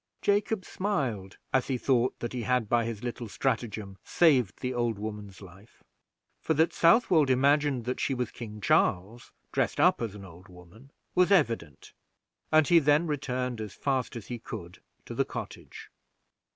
Jacob smiled as he thought that he had by his little stratagem saved the old woman's life, for that Southwold imagined that she was King Charles dressed up as an old woman was evident; and he then returned as fast as he could to the cottage.